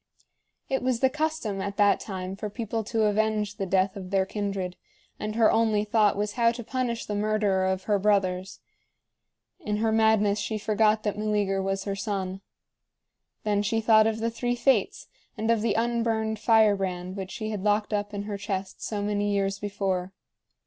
It was the custom at that time for people to avenge the death of their kindred, and her only thought was how to punish the murderer of her brothers. In her madness she forgot that Meleager was her son. Then she thought of the three Fates and of the unburned firebrand which she had locked up in her chest so many years before.